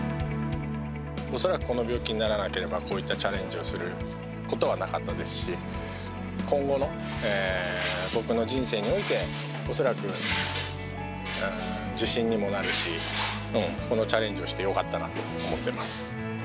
恐らくこの病気にならなければ、こういったチャレンジをすることはなかったですし、今後の僕の人生において、恐らく自信にもなるし、このチャレンジをしてよかったなと思ってます。